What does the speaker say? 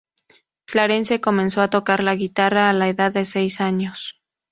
Clarence comenzó a tocar la guitarra a la edad de seis años.